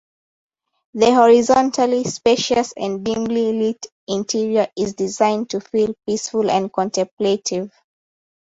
The horizontally spacious and dimly lit interior is designed to feel peaceful and contemplative.